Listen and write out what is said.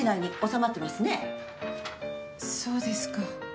そうですか。